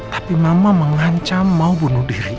tapi mama mengancam mau bunuh diri